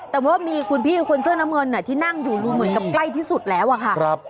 แต่ว่ามีคุณพี่คนเสื้อน้ำเงินที่นั่งอยู่นี่เหมือนกับใกล้ที่สุดแล้วอะค่ะ